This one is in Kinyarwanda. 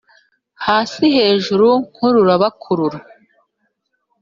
hasi hejuru nkurura bakurura